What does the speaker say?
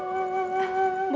boleh ya bu